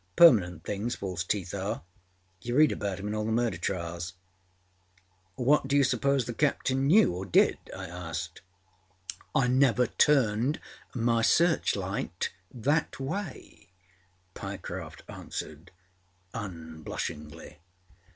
âPermanent things false teeth are. You read about âem in all the murder trials.â âWhat dâyou suppose the captain knewâor did?â I asked. âI never turned my searchlight that way,â Pyecroft answered unblushingly.